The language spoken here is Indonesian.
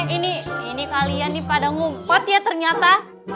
ini ini kalian nih pada ngumpat ya ternyata